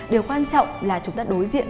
điều quan trọng là chúng ta đối diện